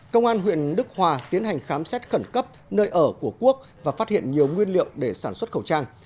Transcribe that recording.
công an huyện đức hòa tiến hành khám xét khẩn cấp nơi ở của quốc và phát hiện nhiều nguyên liệu để sản xuất khẩu trang